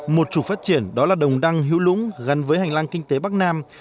một trục phát triển đó là đồng đăng hiếu lũng gắn với hành lang kinh tế bắc nam